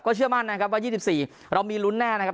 เชื่อมั่นนะครับว่า๒๔เรามีลุ้นแน่นะครับ